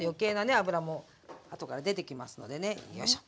油もあとから出てきますのでねよいしょ。